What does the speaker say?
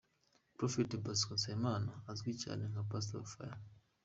Prophet Bosco Nsabimana uzwi cyane nka Pastor Fire.